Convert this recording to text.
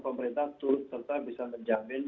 pemerintah turut serta bisa menjamin